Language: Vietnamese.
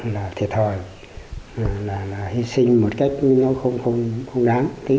là thiệt hồi là hi sinh một cách nó không đáng